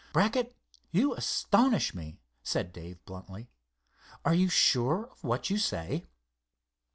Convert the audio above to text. "Brackett, you astonish me," said Dave, bluntly. "Are you sure of what you say?"